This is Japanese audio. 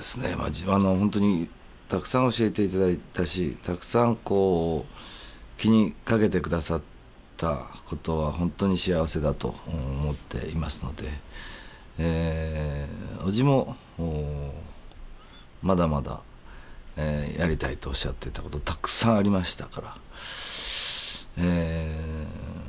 自分は本当にたくさん教えていただいたしたくさんこう気にかけてくださったことは本当に幸せだと思っていますので叔父もまだまだやりたいとおっしゃっていたことたくさんありましたからええ